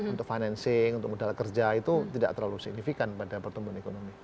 untuk financing untuk modal kerja itu tidak terlalu signifikan pada pertumbuhan ekonomi